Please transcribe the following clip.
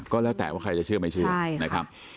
ก็แล้วแต่ว่าใครจะเชื่อไม่เชื่อนะครับ